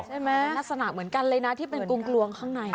ลักษณะเหมือนกันเลยนะที่เป็นกลวงข้างใน